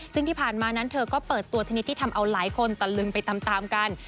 ซึ่งที่ผ่านมานั้นเธอก็เปิดตัวชนิดที่ทำเอาหลายคนตะลึงไปตามกัน